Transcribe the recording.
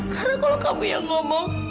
karena kalau kamu yang ngomong